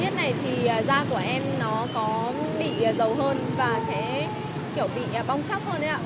với cái thời tiết này thì da của em nó có bị dầu hơn và sẽ kiểu bị bong chóc hơn đấy ạ